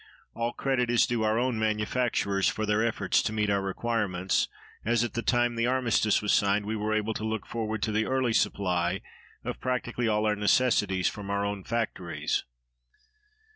All credit is due our own manufacturers for their efforts to meet our requirements, as at the time the armistice was signed we were able to look forward to the early supply of practically all our necessities from our own factories.